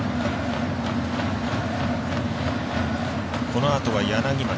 このあとは柳町。